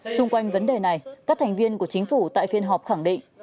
xung quanh vấn đề này các thành viên của chính phủ tại phiên họp khẳng định